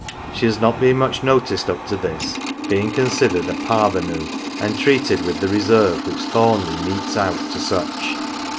She has not been much noticed up to this, being considered a *' parvenu 11 and treated with the reserve which Thornleigh metes out to such.